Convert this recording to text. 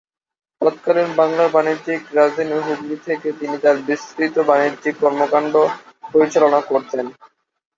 তৎকালীন বাংলার বাণিজ্যিক রাজধানী হুগলি থেকে তিনি তাঁর বিস্তৃত বাণিজ্যিক কর্মকান্ড পরিচালনা করতেন।